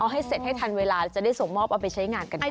ให้เสร็จให้ทันเวลาจะได้ส่งมอบเอาไปใช้งานกันได้